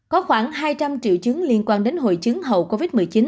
có khoảng hai trăm linh triệu chứng liên quan đến hội chứng hậu covid một mươi chín